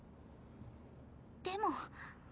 でも。